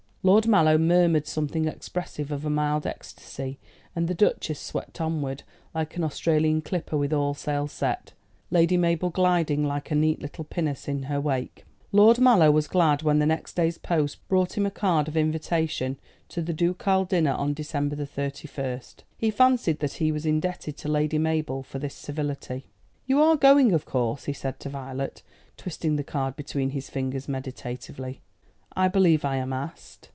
Lord Mallow murmured something expressive of a mild ecstasy, and the Duchess swept onward, like an Australian clipper with all sails set, Lady Mabel gliding like a neat little pinnace in her wake. Lord Mallow was glad when the next day's post brought him a card of invitation to the ducal dinner on December the 31st. He fancied that he was indebted to Lady Mabel for this civility. "You are going, of course," he said to Violet, twisting the card between his fingers meditatively. "I believe I am asked."